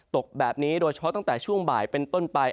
ตกแบบนี้โดยเฉพาะตั้งแต่ช่วงบ่ายเป็นต้นไป